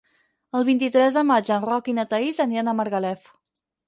El vint-i-tres de maig en Roc i na Thaís aniran a Margalef.